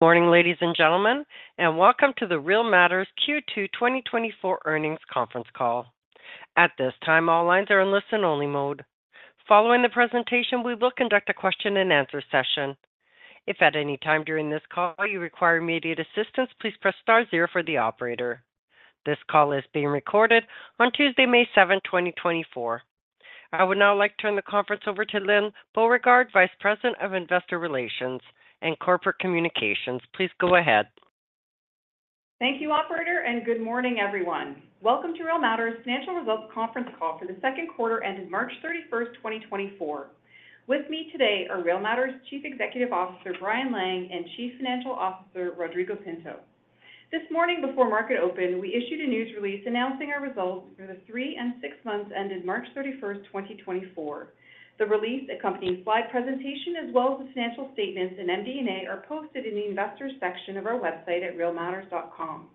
Good morning, ladies and gentlemen, and welcome to the Real Matters Q2 2024 Earnings Conference Call. At this time, all lines are in listen-only mode. Following the presentation, we will conduct a question and answer session. If at any time during this call you require immediate assistance, please press star zero for the operator. This call is being recorded on Tuesday, May 7, 2024. I would now like to turn the conference over to Lyne Beauregard, Vice President of Investor Relations and Corporate Communications. Please go ahead. Thank you, operator, and good morning, everyone. Welcome to Real Matters Financial Results Conference Call for the second quarter ended March 31st, 2024. With me today are Real Matters Chief Executive Officer, Brian Lang, and Chief Financial Officer, Rodrigo Pinto. This morning before market open, we issued a news release announcing our results for the three and six months ended March 31st, 2024. The release accompanying slide presentation, as well as the financial statements and MD&A, are posted in the investors section of our website at realmatters.com.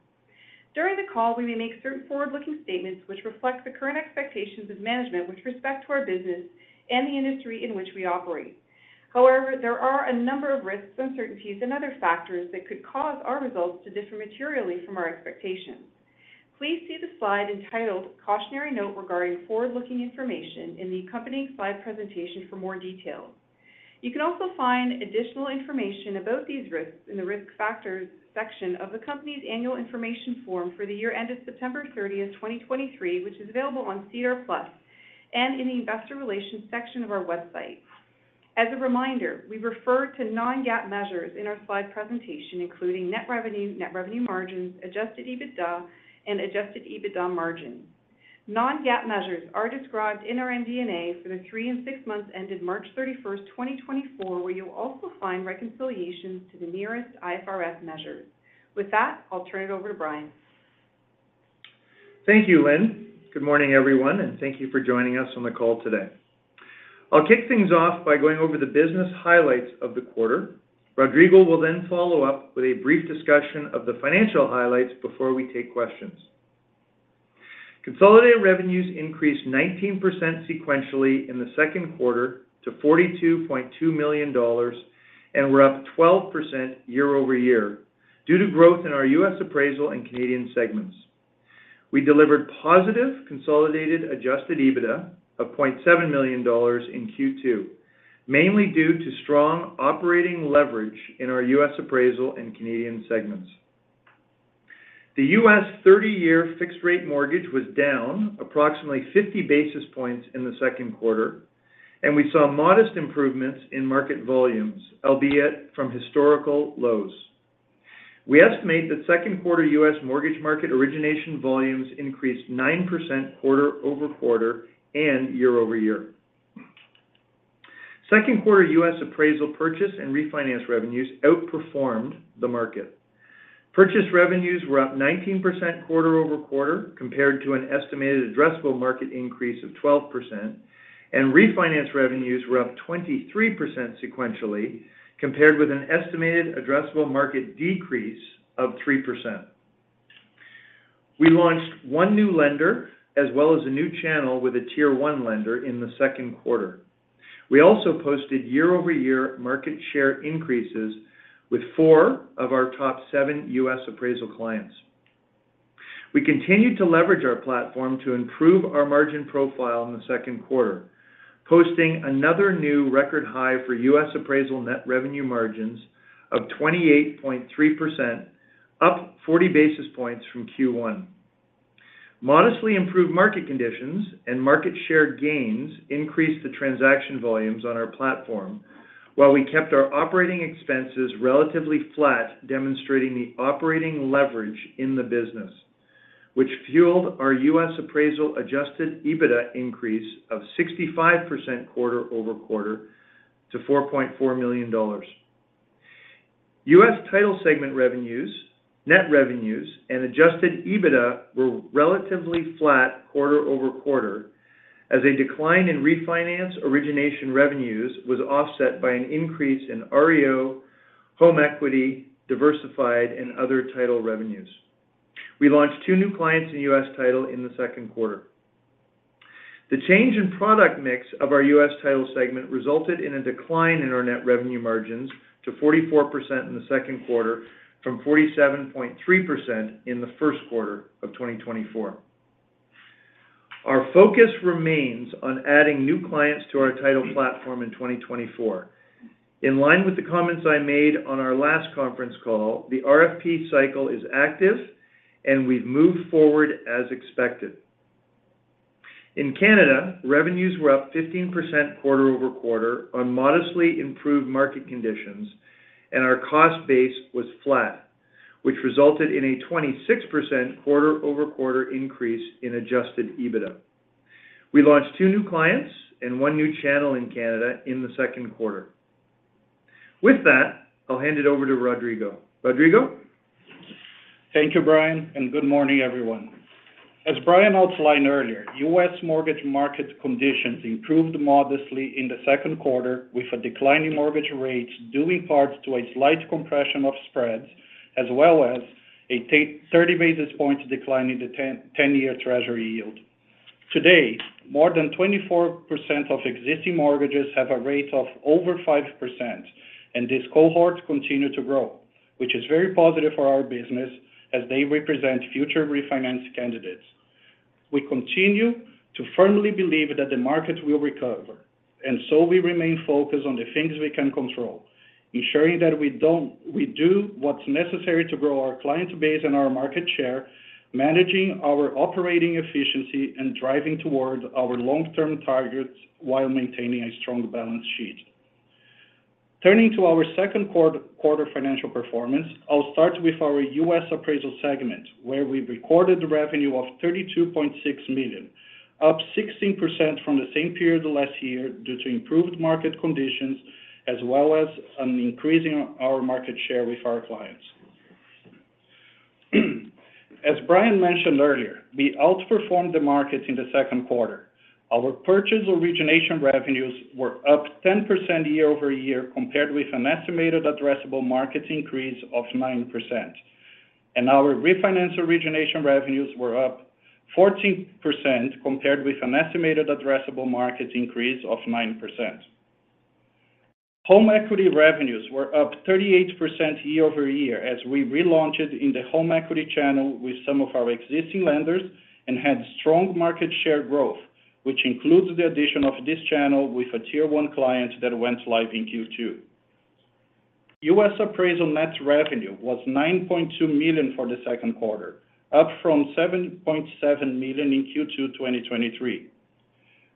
During the call, we may make certain forward-looking statements which reflect the current expectations of management with respect to our business and the industry in which we operate. However, there are a number of risks, uncertainties and other factors that could cause our results to differ materially from our expectations. Please see the slide entitled Cautionary Note Regarding Forward-Looking Information in the accompanying slide presentation for more details. You can also find additional information about these risks in the Risk Factors section of the company's Annual Information Form for the year ended September 30th, 2023, which is available on SEDAR+ and in the Investor Relations section of our website. As a reminder, we refer to non-GAAP measures in our slide presentation, including net revenue, net revenue margins, adjusted EBITDA, and adjusted EBITDA margins. Non-GAAP measures are described in our MD&A for the three and six months ended March 31st, 2024, where you'll also find reconciliations to the nearest IFRS measures. With that, I'll turn it over to Brian. Thank you, Lynn. Good morning, everyone, and thank you for joining us on the call today. I'll kick things off by going over the business highlights of the quarter. Rodrigo will then follow up with a brief discussion of the financial highlights before we take questions. Consolidated revenues increased 19% sequentially in the second quarter to $42.2 million, and were up 12% year-over-year due to growth in our U.S. Appraisal and Canadian segments. We delivered positive consolidated Adjusted EBITDA of $0.7 million in Q2, mainly due to strong operating leverage in our U.S. Appraisal and Canadian segments. The U.S. 30-year fixed rate mortgage was down approximately 50 basis points in the second quarter, and we saw modest improvements in market volumes, albeit from historical lows. We estimate that second quarter U.S. mortgage market origination volumes increased 9% quarter-over-quarter and year-over-year. Second quarter U.S. appraisal purchase and refinance revenues outperformed the market. Purchase revenues were up 19% quarter-over-quarter, compared to an estimated addressable market increase of 12%, and refinance revenues were up 23% sequentially, compared with an estimated addressable market decrease of 3%. We launched one new lender as well as a new channel with a Tier 1 lender in the second quarter. We also posted year-over-year market share increases with four of our top seven U.S. appraisal clients. We continued to leverage our platform to improve our margin profile in the second quarter, posting another new record high for U.S. appraisal net revenue margins of 28.3%, up 40 basis points from Q1. Modestly improved market conditions and market share gains increased the transaction volumes on our platform, while we kept our operating expenses relatively flat, demonstrating the operating leverage in the business, which fueled our U.S. Appraisal Adjusted EBITDA increase of 65% quarter-over-quarter to $4.4 million. U.S. Title segment revenues, net revenues, and Adjusted EBITDA were relatively flat quarter-over-quarter, as a decline in refinance origination revenues was offset by an increase in REO, home equity, diversified and other title revenues. We launched two new clients in U.S. Title in the second quarter. The change in product mix of our U.S. Title segment resulted in a decline in our net revenue margins to 44% in the second quarter, from 47.3% in the first quarter of 2024. Our focus remains on adding new clients to our title platform in 2024. In line with the comments I made on our last conference call, the RFP cycle is active, and we've moved forward as expected. In Canada, revenues were up 15% quarter-over-quarter on modestly improved market conditions, and our cost base was flat, which resulted in a 26% quarter-over-quarter increase in Adjusted EBITDA. We launched two new clients and one new channel in Canada in the second quarter. With that, I'll hand it over to Rodrigo. Rodrigo? Thank you, Brian, and good morning, everyone. As Brian outlined earlier, U.S. mortgage market conditions improved modestly in the second quarter, with a decline in mortgage rates, due in part to a slight compression of spreads, as well as a 30 basis points decline in the 10-year Treasury yield. Today, more than 24% of existing mortgages have a rate of over 5%, and this cohort continue to grow, which is very positive for our business as they represent future refinance candidates. We continue to firmly believe that the market will recover, and so we remain focused on the things we can control, ensuring that we do what's necessary to grow our client base and our market share, managing our operating efficiency, and driving towards our long-term targets while maintaining a strong balance sheet. Turning to our second quarter financial performance, I'll start with our U.S. Appraisal segment, where we recorded the revenue of $32.6 million, up 16% from the same period last year due to improved market conditions, as well as on increasing our market share with our clients. As Brian mentioned earlier, we outperformed the market in the second quarter. Our purchase origination revenues were up 10% year-over-year, compared with an estimated addressable market increase of 9%. Our refinance origination revenues were up 14%, compared with an estimated addressable market increase of 9%. Home equity revenues were up 38% year-over-year, as we relaunched in the home equity channel with some of our existing lenders and had strong market share growth, which includes the addition of this channel with a Tier 1 client that went live in Q2. U.S. Appraisal net revenue was $9.2 million for the second quarter, up from $7.7 million in Q2 2023.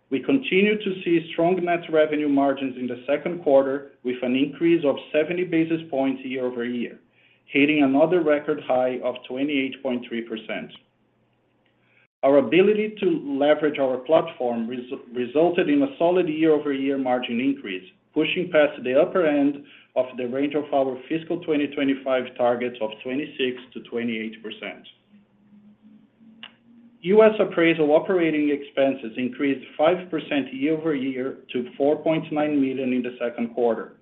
We continue to see strong net revenue margins in the second quarter, with an increase of 70 basis points year-over-year, hitting another record high of 28.3%. Our ability to leverage our platform resulted in a solid year-over-year margin increase, pushing past the upper end of the range of our fiscal 2025 targets of 26%-28%. U.S. Appraisal operating expenses increased 5% year-over-year to $4.9 million in the second quarter.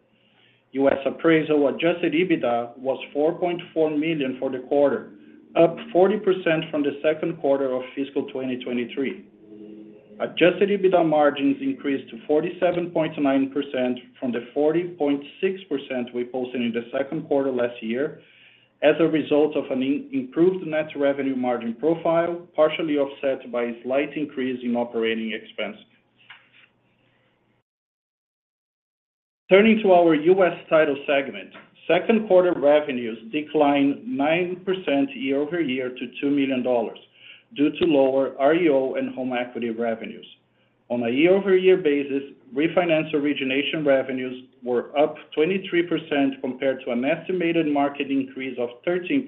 U.S. Appraisal adjusted EBITDA was $4.4 million for the quarter, up 40% from the second quarter of fiscal 2023. Adjusted EBITDA margins increased to 47.9% from the 40.6% we posted in the second quarter last year, as a result of an improved net revenue margin profile, partially offset by a slight increase in operating expenses. Turning to our U.S. Title segment, second quarter revenues declined 9% year-over-year to $2 million due to lower REO and home equity revenues. On a year-over-year basis, refinance origination revenues were up 23% compared to an estimated market increase of 13%,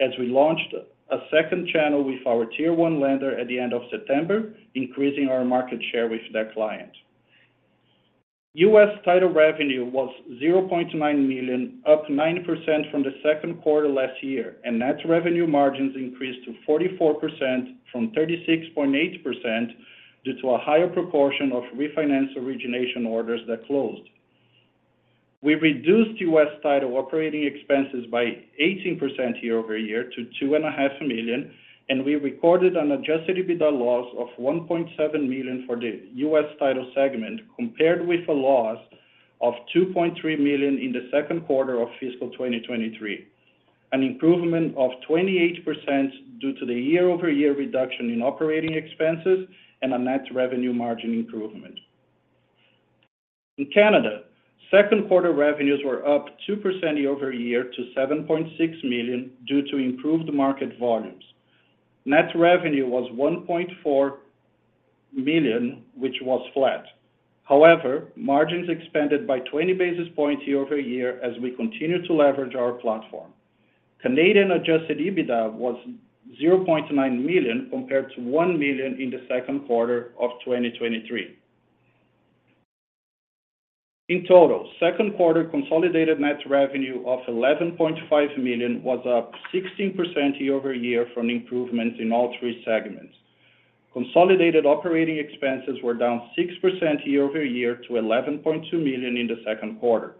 as we launched a second channel with our Tier 1 lender at the end of September, increasing our market share with that client. U.S. Title revenue was $0.9 million, up 90% from the second quarter last year, and net revenue margins increased to 44% from 36.8% due to a higher proportion of refinance origination orders that closed. We reduced U.S. Title operating expenses by 18% year-over-year to $2.5 million, and we recorded an adjusted EBITDA loss of $1.7 million for the U.S. Title segment, compared with a loss of $2.3 million in the second quarter of fiscal 2023, an improvement of 28% due to the year-over-year reduction in operating expenses and a net revenue margin improvement. In Canada, second quarter revenues were up 2% year-over-year to $7.6 million due to improved market volumes. Net revenue was $1.4 million, which was flat. However, margins expanded by 20 basis points year-over-year as we continue to leverage our platform. Canadian adjusted EBITDA was $0.9 million, compared to $1 million in the second quarter of 2023. In total, second quarter consolidated net revenue of $11.5 million was up 16% year-over-year from improvements in all three segments. Consolidated operating expenses were down 6% year-over-year to $11.2 million in the second quarter.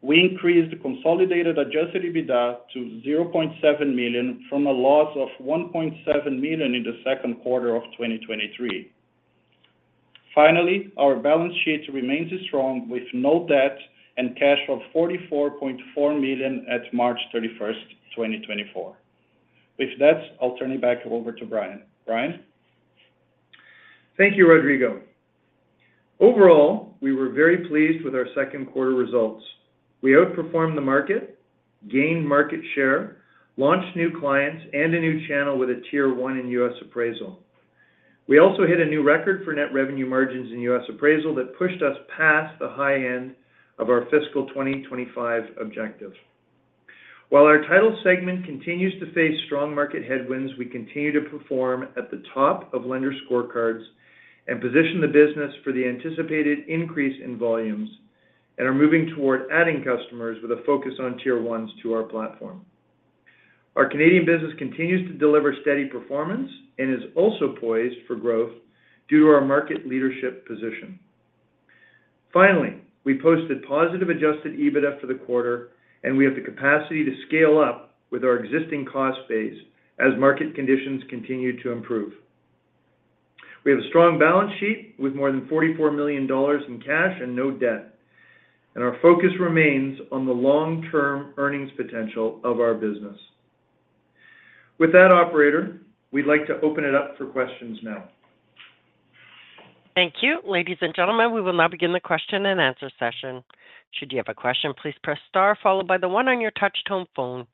We increased consolidated adjusted EBITDA to $0.7 million from a loss of $1.7 million in the second quarter of 2023. Finally, our balance sheet remains strong, with no debt and cash of $44.4 million at March 31, 2024. With that, I'll turn it back over to Brian. Brian? Thank you, Rodrigo. Overall, we were very pleased with our second quarter results. We outperformed the market, gained market share, launched new clients, and a new channel with a Tier 1 in U.S. Appraisal. We also hit a new record for net revenue margins in U.S. Appraisal that pushed us past the high end of our fiscal 2025 objective. While our title segment continues to face strong market headwinds, we continue to perform at the top of lender scorecards and position the business for the anticipated increase in volumes, and are moving toward adding customers with a focus on Tier 1s to our platform. Our Canadian business continues to deliver steady performance and is also poised for growth due to our market leadership position. Finally, we posted positive adjusted EBITDA for the quarter, and we have the capacity to scale up with our existing cost base as market conditions continue to improve. We have a strong balance sheet with more than $44 million in cash and no debt, and our focus remains on the long-term earnings potential of our business. With that, operator, we'd like to open it up for questions now. Thank you. Ladies and gentlemen, we will now begin the question and answer session. Should you have a question, please press star followed by the one on your touch-tone phone.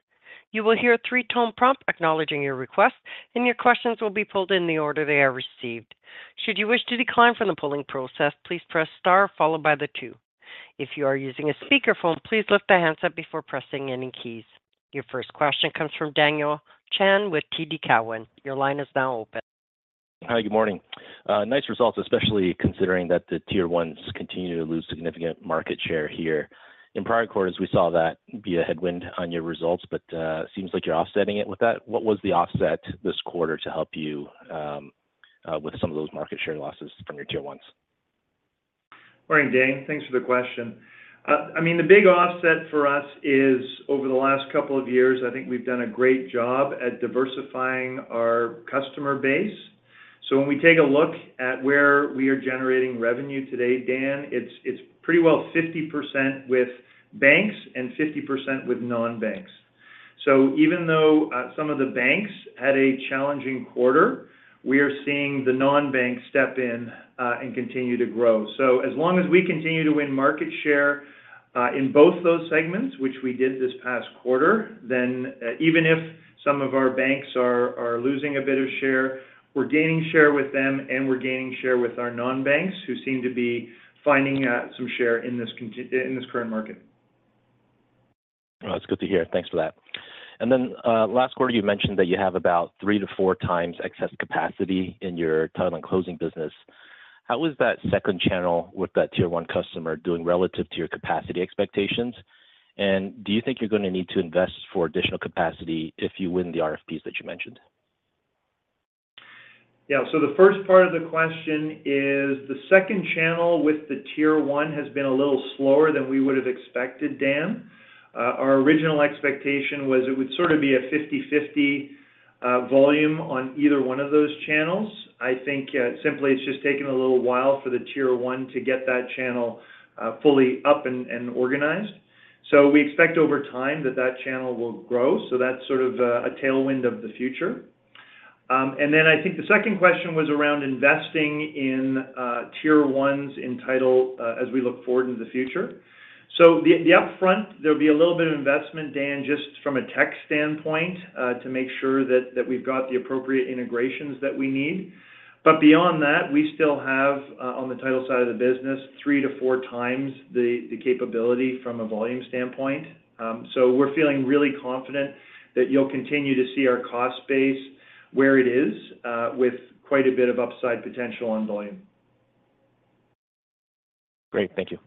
You will hear a three-tone prompt acknowledging your request, and your questions will be pulled in the order they are received. Should you wish to decline from the polling process, please press star followed by the two. If you are using a speakerphone, please lift the handset before pressing any keys. Your first question comes from Daniel Chan with TD Cowen. Your line is now open. Hi, good morning. Nice results, especially considering that the Tier 1s continue to lose significant market share here. In prior quarters, we saw that be a headwind on your results, but seems like you're offsetting it with that. What was the offset this quarter to help you with some of those market share losses from your Tier 1s? Morning, Dan. Thanks for the question. I mean, the big offset for us is over the last couple of years, I think we've done a great job at diversifying our customer base. So when we take a look at where we are generating revenue today, Dan, it's pretty well 50% with banks and 50% with non-banks. So even though some of the banks had a challenging quarter, we are seeing the non-banks step in and continue to grow. So as long as we continue to win market share in both those segments, which we did this past quarter, then even if some of our banks are losing a bit of share, we're gaining share with them, and we're gaining share with our non-banks, who seem to be finding some share in this current market. Well, it's good to hear. Thanks for that. And then, last quarter, you mentioned that you have about 3x-4x excess capacity in your title and closing business. How is that second channel with that Tier 1 customer doing relative to your capacity expectations? And do you think you're gonna need to invest for additional capacity if you win the RFPs that you mentioned? Yeah, so the first part of the question is, the second channel with the Tier 1 has been a little slower than we would have expected, Dan. Our original expectation was it would sort of be a 50/50, volume on either one of those channels. I think, simply it's just taken a little while for the Tier 1 to get that channel, fully up and organized. So we expect over time that that channel will grow, so that's sort of a tailwind of the future. And then I think the second question was around investing in, Tier 1s in title, as we look forward into the future. So the upfront, there'll be a little bit of investment, Dan, just from a tech standpoint, to make sure that we've got the appropriate integrations that we need. But beyond that, we still have on the title side of the business, 3x-4x the capability from a volume standpoint. So we're feeling really confident that you'll continue to see our cost base where it is, with quite a bit of upside potential on volume. Great. Thank you.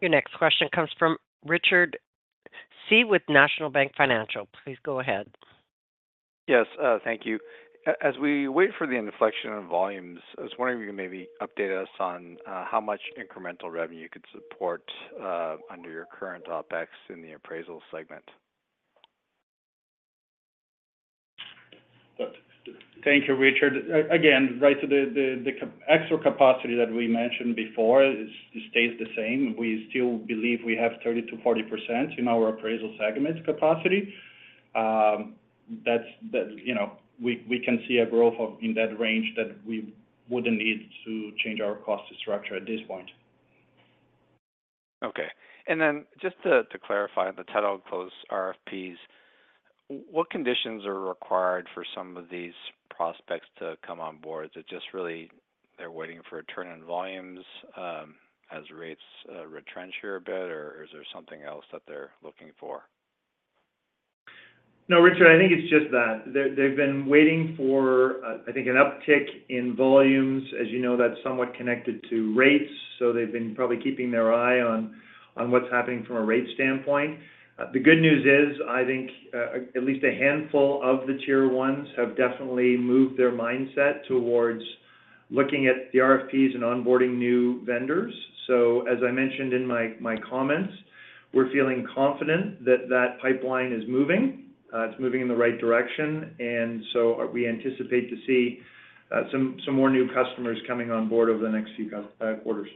Your next question comes from Richard Tse with National Bank Financial. Please go ahead. Yes, thank you. As we wait for the inflection on volumes, I was wondering if you could maybe update us on how much incremental revenue you could support under your current OpEx in the appraisal segment? Thank you, Richard. Again, right, so the extra capacity that we mentioned before is stays the same. We still believe we have 30%-40% in our appraisal segment capacity. That's, you know, we can see a growth in that range that we wouldn't need to change our cost structure at this point. Okay. And then just to clarify the title close RFPs, what conditions are required for some of these prospects to come on board? Is it just really they're waiting for a turn in volumes, as rates retrench here a bit, or is there something else that they're looking for? No, Richard, I think it's just that. They've been waiting for, I think, an uptick in volumes. As you know, that's somewhat connected to rates, so they've been probably keeping their eye on, on what's happening from a rate standpoint. The good news is, I think, at least a handful of the Tier 1s have definitely moved their mindset towards looking at the RFPs and onboarding new vendors. So as I mentioned in my, my comments, we're feeling confident that that pipeline is moving. It's moving in the right direction, and so we anticipate to see, some, some more new customers coming on board over the next few quarters.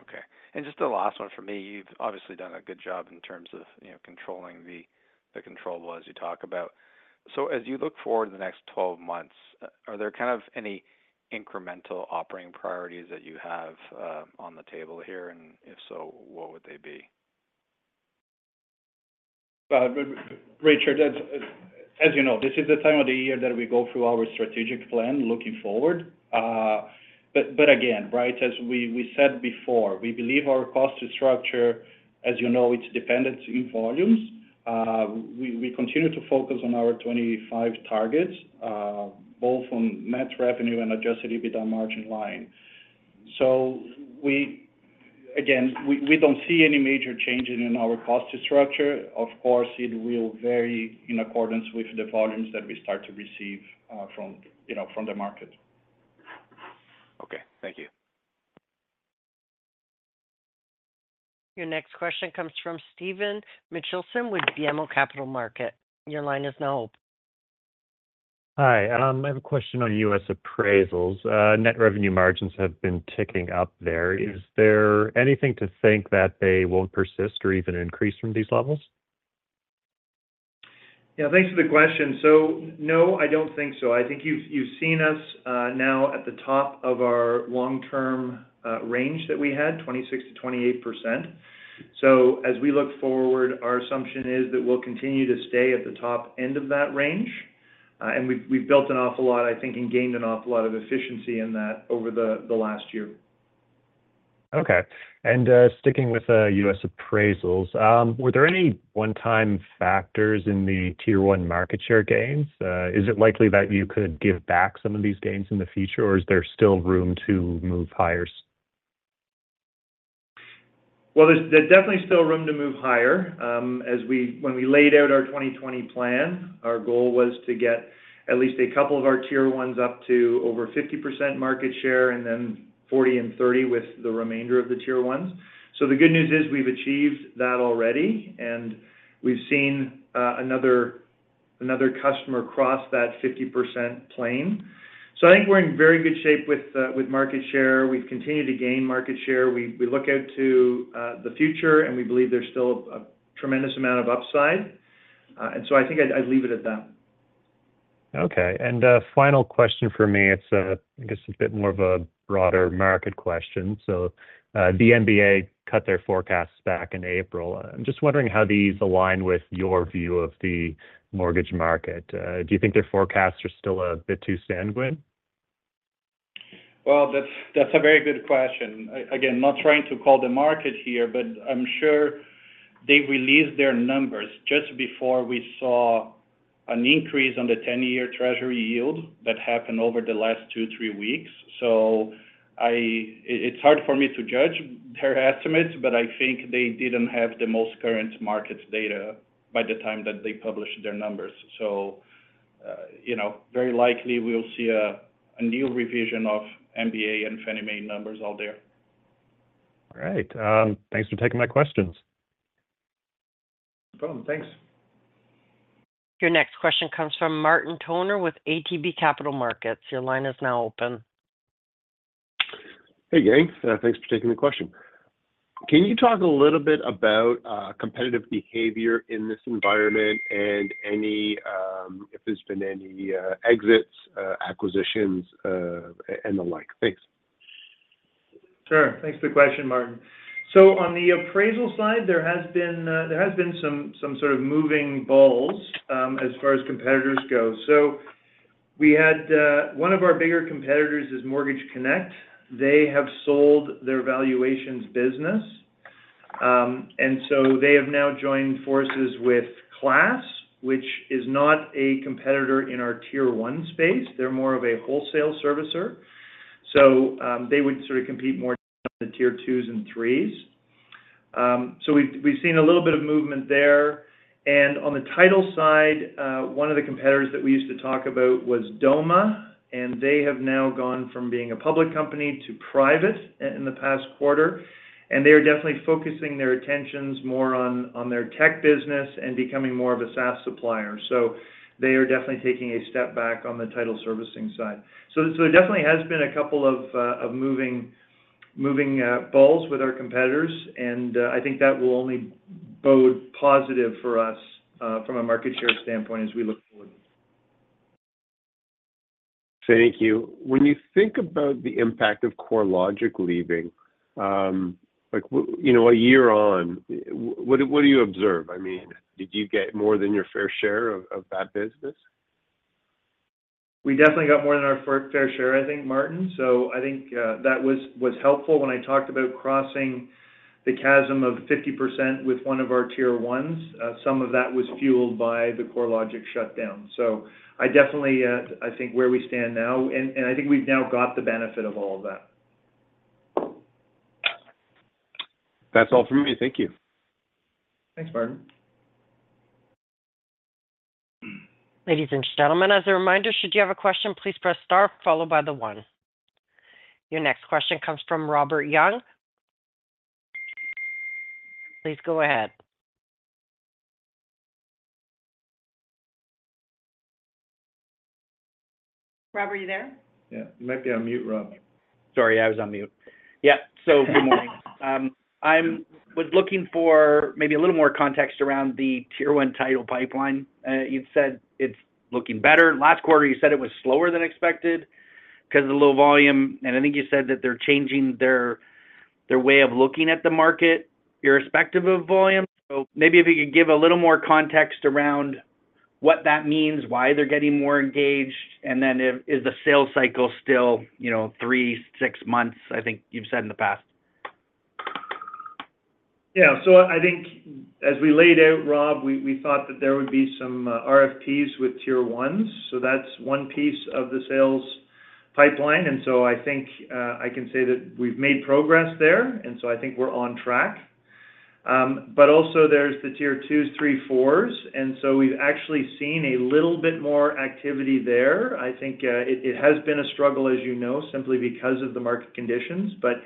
Okay. And just a last one for me: You've obviously done a good job in terms of, you know, controlling the controllables, as you talk about. So as you look forward to the next 12 months, are there kind of any incremental operating priorities that you have on the table here? And if so, what would they be? Well, Richard, as you know, this is the time of the year that we go through our strategic plan looking forward. But again, right, as we said before, we believe our cost structure, as you know, it's dependent on volumes. We continue to focus on our 25 targets, both on net revenue and adjusted EBITDA margin line. So we ... again, we don't see any major changing in our cost structure. Of course, it will vary in accordance with the volumes that we start to receive, from, you know, from the market. Okay, thank you. Your next question comes from Steven Machielsen with BMO Capital Markets. Your line is now open. Hi, I have a question on U.S. Appraisals. Net revenue margins have been ticking up there. Is there anything to think that they won't persist or even increase from these levels? Yeah, thanks for the question. So, no, I don't think so. I think you've, you've seen us now at the top of our long-term range that we had, 26%-28%. So as we look forward, our assumption is that we'll continue to stay at the top end of that range. And we've, we've built an awful lot, I think, and gained an awful lot of efficiency in that over the last year. Okay. Sticking with U.S. appraisals, were there any one-time factors in the Tier 1 market share gains? Is it likely that you could give back some of these gains in the future, or is there still room to move higher? Well, there's definitely still room to move higher. When we laid out our 2020 plan, our goal was to get at least a couple of our Tier 1s up to over 50% market share, and then 40 and 30 with the remainder of the Tier 1s. So the good news is, we've achieved that already, and we've seen another customer cross that 50% plain. So I think we're in very good shape with market share. We've continued to gain market share. We look out to the future, and we believe there's still a tremendous amount of upside. And so I think I'd leave it at that. Okay. And, final question for me, it's a, I guess, a bit more of a broader market question. So, the MBA cut their forecasts back in April. I'm just wondering how these align with your view of the mortgage market. Do you think their forecasts are still a bit too sanguine? Well, that's, that's a very good question. Again, not trying to call the market here, but I'm sure they released their numbers just before we saw an increase on the 10-year treasury yield that happened over the last two to three weeks. So it, it's hard for me to judge their estimates, but I think they didn't have the most current market data by the time that they published their numbers. So, you know, very likely we'll see a new revision of MBA and Fannie Mae numbers out there. All right. Thanks for taking my questions. No problem. Thanks. Your next question comes from Martin Toner with ATB Capital Markets. Your line is now open. Hey, gang, thanks for taking the question. Can you talk a little bit about, competitive behavior in this environment and any, if there's been any, exits, acquisitions, and the like? Thanks. Sure. Thanks for the question, Martin. So on the appraisal side, there has been some sort of moving parts as far as competitors go. So we had one of our bigger competitors is Mortgage Connect. They have sold their valuations business. And so they have now joined forces with Class, which is not a competitor in our Tier 1 space. They're more of a wholesale servicer. So they would sort of compete more on the Tier twos and threes. So we've seen a little bit of movement there. On the title side, one of the competitors that we used to talk about was Doma, and they have now gone from being a public company to private in the past quarter, and they are definitely focusing their attentions more on their tech business and becoming more of a SaaS supplier. So they are definitely taking a step back on the title servicing side. So there definitely has been a couple of moving balls with our competitors, and I think that will only bode positive for us from a market share standpoint as we look forward. Thank you. When you think about the impact of CoreLogic leaving, like, you know, a year on, what do you observe? I mean, did you get more than your fair share of that business? We definitely got more than our fair, fair share, I think, Martin. So I think that was, was helpful. When I talked about crossing the chasm of 50% with one of our Tier 1s, some of that was fueled by the CoreLogic shutdown. So I definitely, I think where we stand now, and, and I think we've now got the benefit of all of that. That's all for me. Thank you. Thanks, Martin. Ladies and gentlemen, as a reminder, should you have a question, please press star followed by 1. Your next question comes from Robert Young. Please go ahead. Rob, are you there? Yeah, you might be on mute, Rob. Sorry, I was on mute. Yeah. So good morning. I was looking for maybe a little more context around the Tier 1 title pipeline. You've said it's looking better. Last quarter, you said it was slower than expected because of the low volume, and I think you said that they're changing their way of looking at the market, irrespective of volume. So maybe if you could give a little more context around what that means, why they're getting more engaged, and then, is the sales cycle still, you know, three months to six months, I think you've said in the past? Yeah, so I think as we laid out, Rob, we thought that there would be some RFPs with Tier 1s, so that's one piece of the sales pipeline. And so I think I can say that we've made progress there, and so I think we're on track. But also there's the Tier twos, three, fours, and so we've actually seen a little bit more activity there. I think it has been a struggle, as you know, simply because of the market conditions, but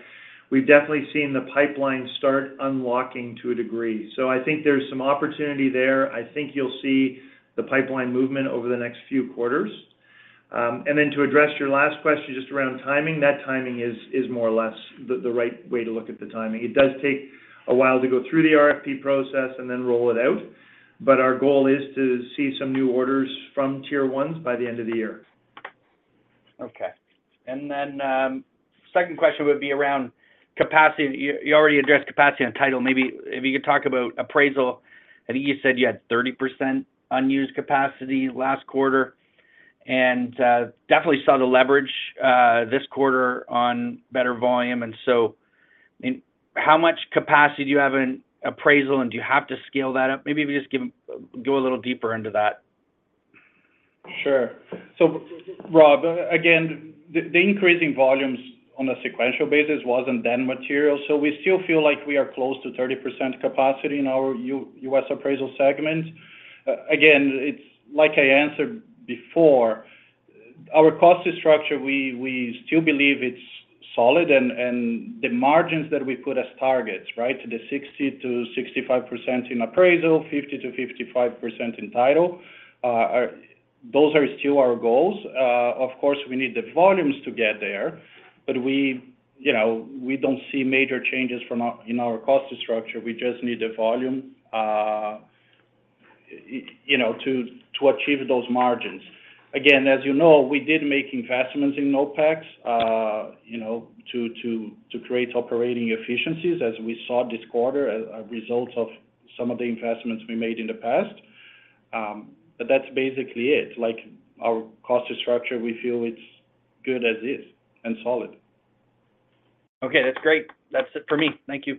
we've definitely seen the pipeline start unlocking to a degree. So I think there's some opportunity there. I think you'll see the pipeline movement over the next few quarters. And then to address your last question, just around timing, that timing is more or less the right way to look at the timing. It does take a while to go through the RFP process and then roll it out, but our goal is to see some new orders from Tier 1s by the end of the year. Okay. And then, second question would be around capacity. You already addressed capacity on title. Maybe if you could talk about appraisal. I think you said you had 30% unused capacity last quarter, and definitely saw the leverage this quarter on better volume. And so, how much capacity do you have in appraisal, and do you have to scale that up? Maybe if you just go a little deeper into that. Sure. So Rob, again, the increasing volumes on a sequential basis wasn't then material, so we still feel like we are close to 30% capacity in our U.S. Appraisal segment. Again, it's like I answered before, our cost structure, we still believe it's solid. And the margins that we put as targets, right? The 60%-65% in appraisal, 50%-55% in title, are those are still our goals. Of course, we need the volumes to get there, but we, you know, we don't see major changes from our, in our cost structure. We just need the volume, you know, to achieve those margins. Again, as you know, we did make investments in OpEx, you know, to create operating efficiencies, as we saw this quarter, as a result of some of the investments we made in the past. But that's basically it. Like, our cost structure, we feel it's good as is, and solid. Okay, that's great. That's it for me. Thank you.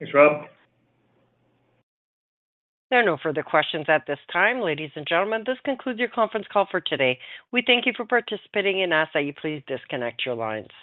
Thanks, Rob. There are no further questions at this time. Ladies and gentlemen, this concludes your conference call for today. We thank you for participating and ask that you please disconnect your lines.